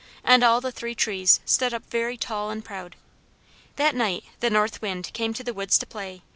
And the three trees stood up very tall and proud. That night the North Wind came to the woods to play.